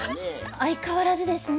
相変わらずですね。